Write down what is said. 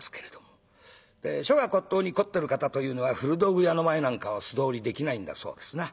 書画骨董に凝ってる方というのは古道具屋の前なんかを素通りできないんだそうですな。